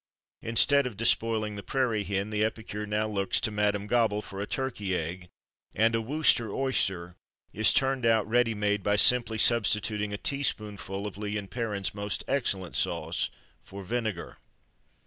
Instead of despoiling the prairie hen, the epicure now looks to Madame Gobble for a turkey egg. And a Worcester Oyster is turned out ready made, by simply substituting a teaspoonful of Lea and Perrins' most excellent sauce for vinegar.